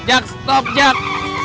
jak stop jak